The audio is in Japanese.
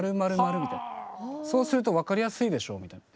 「そうすると分かりやすいでしょう」みたいな。